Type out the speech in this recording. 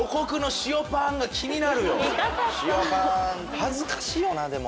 恥ずかしいよなでも。